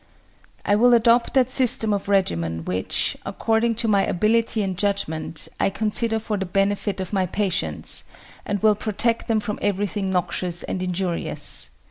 "I will adopt that system of regimen which, according to my ability and judgment, I consider for the benefit of my patients, and will protect them from everything noxious and injurious.